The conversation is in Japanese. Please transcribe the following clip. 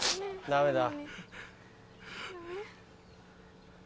ダメだ。